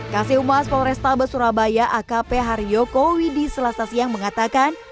kaseumas polrestabes surabaya akp haryoko widis lasasiang mengatakan